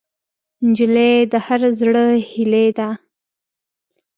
نجلۍ د هر زړه هیلې ده.